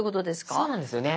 そうなんですよね。